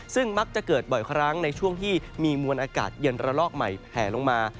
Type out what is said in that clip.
ซึ่งมักจะเกิดบ่อยครั้งในช่วงที่มีมวลอากาศเย็นระลอกใหม่แผลลงมา